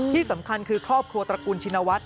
ที่สำคัญคือครอบครัวตระกูลชินวัฒน